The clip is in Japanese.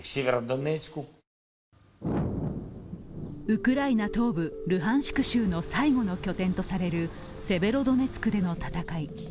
ウクライナ東部ルハンシク州の最後の拠点とされるセベロドネツクでの戦い。